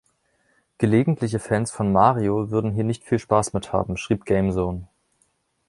Gelegentliche Fans von „Mario“ würden hier nicht viel Spaß mit haben, schrieb „GameZone“.